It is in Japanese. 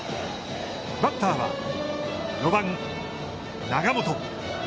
バッターは、４番永本。